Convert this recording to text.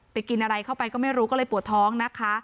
กินอะไรเข้าไปก็ไม่รู้ก็เลยปวดท้องนะคะ